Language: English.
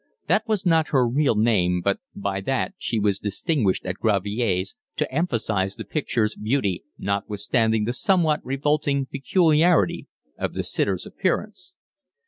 That was not her real name, but by that she was distinguished at Gravier's to emphasise the picture's beauty notwithstanding the somewhat revolting peculiarity of the sitter's appearance.